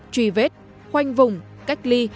truy vết khoanh vùng cách ly